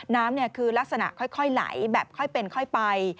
น้ำคือลักษณะค่อยไหลแบบค่อยเป็นค่อยไป